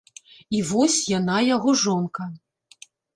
І вось яна яго жонка.